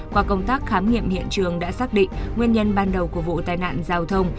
qua công tác khám nghiệm hiện trường đã xác định nguyên nhân ban đầu của vụ tai nạn giao thông